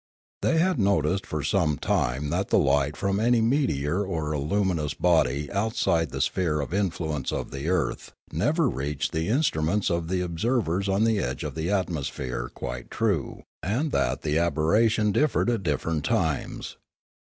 They had noticed for some time that the light from any meteor or luminous body outside the sphere of influence of the earth never reached the in struments of the observers on the edge of the atmos phere quite true, and that the aberration differed at different times.